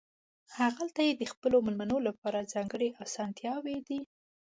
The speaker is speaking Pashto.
هغلته یې د خپلو مېلمنو لپاره ځانګړې اسانتیاوې دي.